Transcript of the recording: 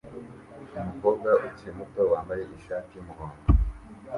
Umukobwa ukiri muto wambaye ishati yumuhondo